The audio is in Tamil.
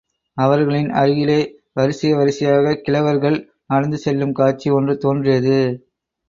அவர்களின் அருகிலே, வரிசை வரிசையாகக் கிழவர்கள் நடந்து செல்லும் காட்சி ஒன்று தோன்றியது.